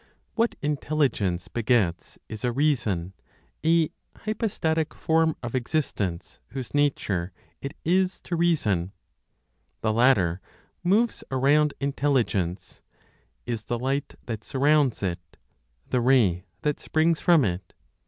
What Intelligence begets is a reason, a hypostatic form of existence whose nature it is to reason. The latter moves around Intelligence; is the light that surrounds it, the ray that springs from it.